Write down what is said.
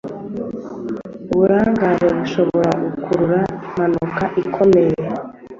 Uburangare bushobora gukurura impanuka ikomeye.